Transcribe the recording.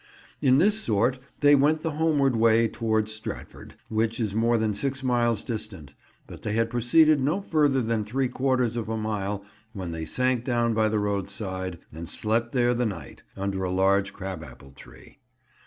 In this sort they went the homeward way towards Stratford, which is more than six miles distant, but they had proceeded no further than three quarters of a mile when they sank down by the roadside and slept there the night, under a large crab apple tree.